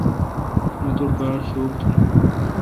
مہ توٹھ باڑ شوک تھون۔